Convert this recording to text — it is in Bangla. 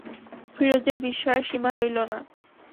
ফিরোজের বিস্ময়ের সীমা রইল না।